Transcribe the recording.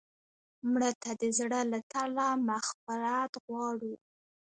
مړه ته د زړه له تله مغفرت غواړو